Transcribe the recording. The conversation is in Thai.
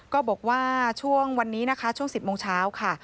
ก็บอกว่าช่วงวันนี้นะคะช่วง๑๐โมงเช้าค่ะ